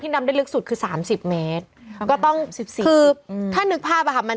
ที่ดำได้ลึกสุดคือ๓๐เมตรก็ต้องคือถ้านึกภาพอะค่ะมัน